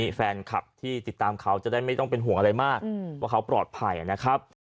มีแฟนคลับที่ติดตามเขาจะได้ไม่ต้องเป็นห่วงอะไรมากว่าเขาปลอดภัยนะครับ